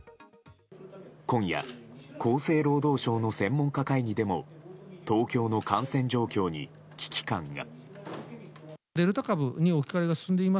今夜、厚生労働省の専門家会議でも東京の感染状況に危機感が。